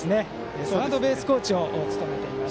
サードベースコーチを務めています。